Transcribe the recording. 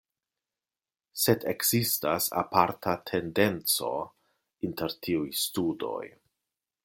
Sed ekzistas aparta tendenco inter tiuj studoj.